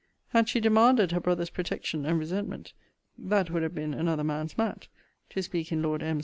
Had she demanded her brother's protection and resentment, that would have been another man's matte, to speak in Lord M.'